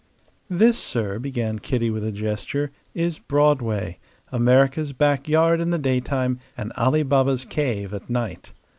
"This, sir," began Kitty with a gesture, "is Broadway America's backyard in the daytime and Ali Baba's cave at night.